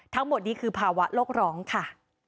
ทั้งหมดนี้คือภาวะโลกร้องค่ะ